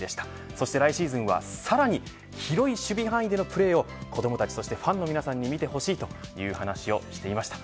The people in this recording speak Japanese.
そして来シーズンはさらに広い守備範囲でのプレーを子どもたちとファンの皆さんに見せてほしいと話していました。